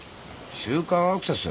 「週刊アクセス」？